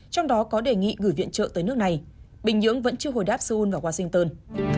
trong đó có đề nghị gửi viện trợ tới nước này bình nhưỡng vẫn chưa hồi đáp seoul và washington